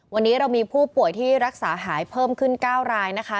วันนี้เรามีผู้ป่วยที่รักษาหายเพิ่มขึ้น๙รายนะคะ